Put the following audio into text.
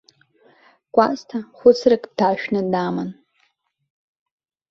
Кәасҭа хәыцрак дҭаршәны даман.